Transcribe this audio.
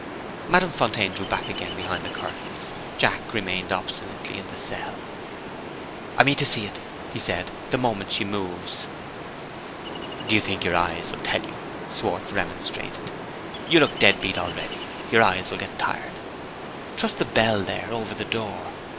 Madame Fontaine drew back again behind the curtains. Jack remained obstinately in the cell. "I mean to see it," he said, "the moment she moves." "Do you think your eyes will tell you?" Schwartz remonstrated. "You look dead beat already; your eyes will get tired. Trust the bell here, over the door.